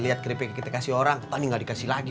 lihat keripik yang kita kasih orang kita nih gak dikasih lagi